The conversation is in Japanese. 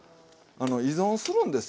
依存するんですよ